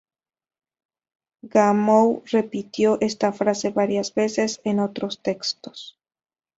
Gamow repitió esta frase varias veces en otros textos.